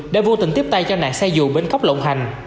để vô tình tiếp tay cho nạn xe dù bến cốc lộng hành